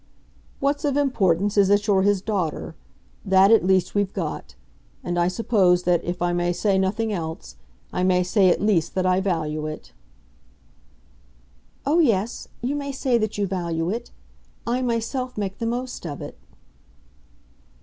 "What's of importance is that you're his daughter. That at least we've got. And I suppose that, if I may say nothing else, I may say at least that I value it." "Oh yes, you may say that you value it. I myself make the most of it."